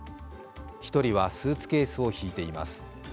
１人はスーツケースを引いています。